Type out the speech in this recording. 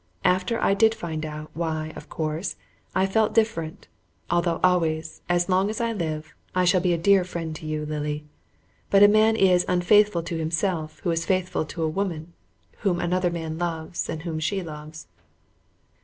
After I did find out, why, of course, I felt different although always, as long as I live, I shall be a dear friend to you. Lily. But a man is unfaithful to himself who is faithful to a woman whom another man loves and whom she loves."